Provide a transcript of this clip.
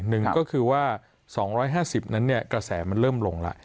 หนึ่งก็คือว่า๒๕๐นั้นกระแสมันเริ่มลงแล้ว